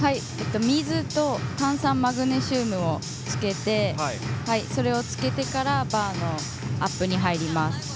水と炭酸マグネシウムをつけてそれをつけてからバーのアップに入ります。